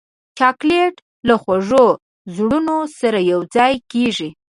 چاکلېټ له خوږو زړونو سره یوځای کېږي.